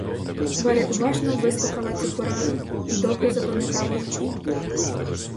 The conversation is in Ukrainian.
Варя уважно вислухала цю пораду і добре запам'ятала її.